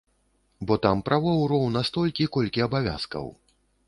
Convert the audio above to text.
Бо там правоў роўна столькі, колькі абавязкаў.